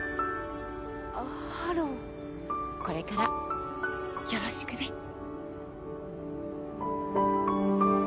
これからよろしくね！